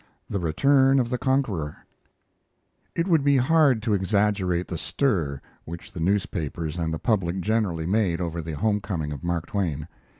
THE RETURN OF THE CONQUEROR It would be hard to exaggerate the stir which the newspapers and the public generally made over the homecoming of Mark Twain.